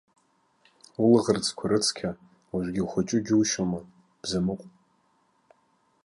Улаӷырӡқәа рыцқьа, уажәгьы ухәыҷу џьушьома, бзамыҟә.